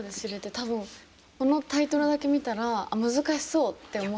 多分このタイトルだけ見たら難しそうって思って。